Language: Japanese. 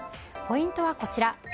ポイントはこちら。